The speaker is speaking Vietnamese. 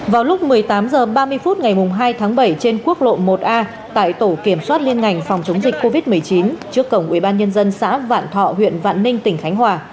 vào lúc một mươi tám h ba mươi phút ngày hai tháng bảy trên quốc lộ một a tại tổ kiểm soát liên ngành phòng chống dịch covid một mươi chín trước cổng ubnd xã vạn thọ huyện vạn ninh tỉnh khánh hòa